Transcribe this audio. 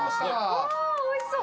うわおいしそう。